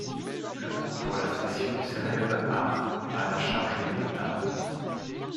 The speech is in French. Le coût pour la station s'élève à à la charge de l'État.